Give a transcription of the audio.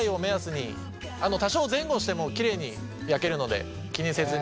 多少前後してもきれいに焼けるので気にせずに。